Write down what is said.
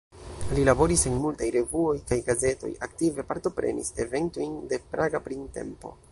Li laboris en multaj revuoj kaj gazetoj, aktive partoprenis eventojn de Praga Printempo.